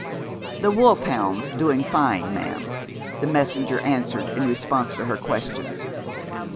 "The wolfhound's doing fine, ma'am," the messenger answered in response to her questions.